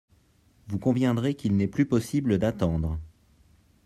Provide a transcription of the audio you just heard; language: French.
Vous conviendrez qu’il n’est plus possible d’attendre.